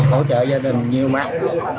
hỗ trợ gia đình nhiều mắt